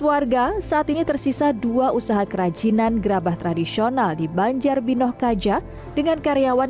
warga saat ini tersisa dua usaha kerajinan gerabah tradisional di banjar binoh kaja dengan karyawan